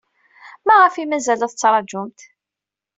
Maɣef ay mazal la tettṛajumt?